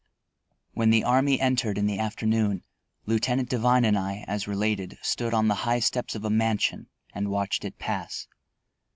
_ When the army entered in the afternoon, Lieutenant Devine and I, as related, stood on the high steps of a mansion and watched it pass.